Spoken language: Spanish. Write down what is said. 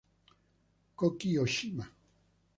Koki Oshima